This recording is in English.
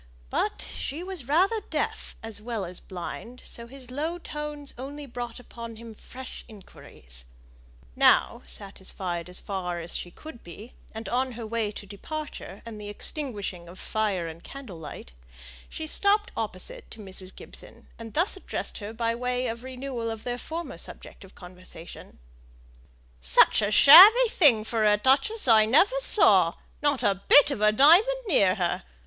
But she was rather deaf as well as blind, so his low tones only brought upon him fresh inquiries. Now, satisfied as far as she could be, and on her way to departure, and the extinguishing of fire and candle light, she stopped opposite to Mrs. Gibson, and thus addressed her by way of renewal of their former subject of conversation: "Such a shabby thing for a duchess I never saw; not a bit of a diamond near her!